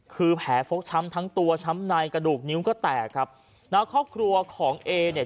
คือแผลฟกช้ำทั้งตัวช้ำในกระดูกนิ้วก็แตกครับนะครอบครัวของเอเนี่ย